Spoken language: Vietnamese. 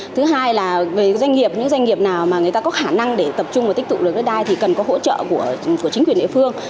thứ hai là về doanh nghiệp những doanh nghiệp nào mà người ta có khả năng để tập trung và tích tụ được đất đai thì cần có hỗ trợ của chính quyền địa phương